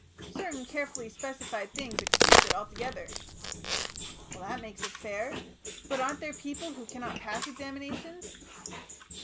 Certain carefully specified things excuse it altogether." "That makes it fair. But aren't there people who cannot pass examinations?"